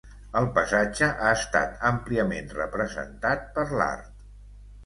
El passatge ha estat àmpliament representat per l'art.